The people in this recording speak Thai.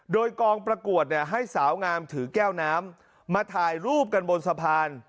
โดยกองประกวดให้สาวงามถือแก้วน้ำมาถ่ายรูปกันบนสะพาน